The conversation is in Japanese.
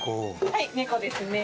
はい猫ですね。